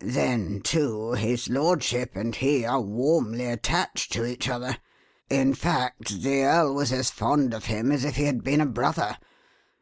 Then, too, his lordship and he are warmly attached to each other. In fact, the earl was as fond of him as if he had been a brother.